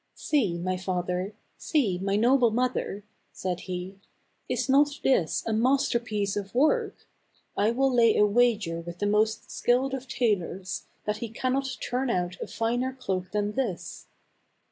" See, my father ; see, my noble mother," said he, " is not this a masterpiece of work ? I will lay a wager with the most skilled of tailors, that he cannot turn out a finer cloak than this."